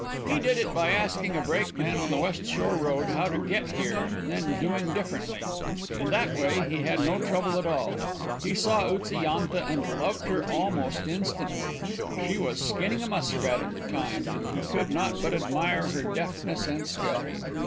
He did it by asking a brakeman on the West Shore road how to get here and then doing differently. In that way he had no trouble at all. He saw Utsa yantha and loved her almost instantly. She was skinning a muskrat at the time, and he could not but admire her deftness and skill.